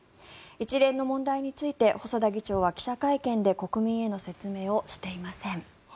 一連の問題について細田議長は記者会見で国民への説明をしていません。